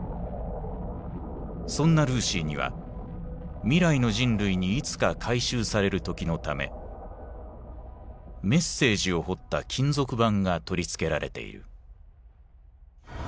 そんなルーシーには未来の人類にいつか回収される時のためメッセージを彫った金属板が取り付けられている。